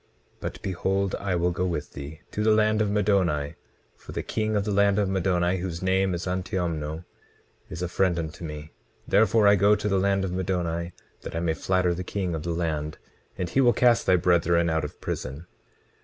But behold, I will go with thee to the land of Middoni; for the king of the land of Middoni, whose name is Antiomno, is a friend unto me; therefore I go to the land of Middoni, that I may flatter the king of the land, and he will cast thy brethren out of prison.